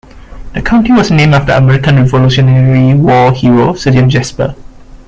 The county was named after American Revolutionary War hero, Sergeant Jasper.